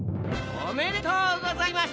おめでとうございます！